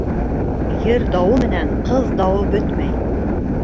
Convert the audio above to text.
Ер дауы менән ҡыҙ дауы бөтмәй.